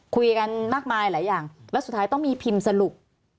คุยกันมากมายหลายอย่างแล้วสุดท้ายต้องมีพิมพ์สรุป